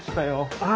ああ。